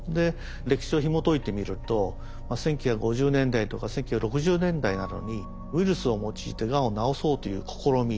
歴史をひもといてみると１９５０年代とか１９６０年代などにウイルスを用いてがんを治そうという試み